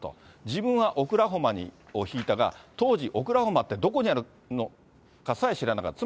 自分はオクラホマを引いたが、当時、オクラホマってどこにあるのかさえ知らなかった。